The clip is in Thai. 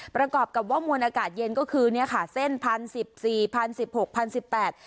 ประกอบกับว่ามวลอากาศเย็นก็คือเนี้ยค่ะเส้นพันสิบสี่พันสิบหกพันสิบแปด